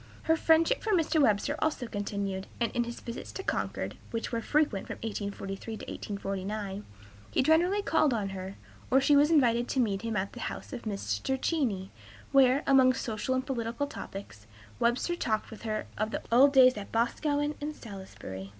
Her friendship for Mr. Webster also continued, and in his visits to Concord, which were frequent from 1843 to 1849, he generally called on her, or she was invited to meet him at the house of Mr. Cheney, where, among social and political topics, Webster talked with her of the old days at Boscawen and Salisbury.